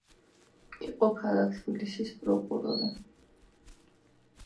იყო ქალაქ თბილისის პროკურორი.